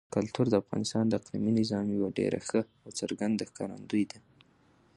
کلتور د افغانستان د اقلیمي نظام یوه ډېره ښه او څرګنده ښکارندوی ده.